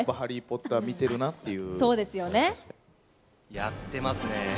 やってますね。